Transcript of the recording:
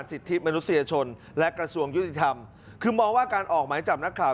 แล้วอีกอย่างตอนที่เขาเอาเอกสารนำมาให้